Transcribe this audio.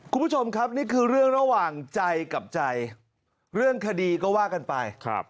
คุณผู้ชมครับนี่คือเรื่องระหว่างใจกับใจเรื่องคดีก็ว่ากันไป